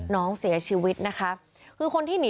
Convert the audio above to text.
น้องเสียชีวิตนะคะ